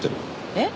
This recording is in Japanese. えっ？